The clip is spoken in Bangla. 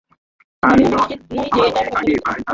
তবে আমি নিশ্চিত নই যে এটা ভাগ্য নাকি কাকতালীয়।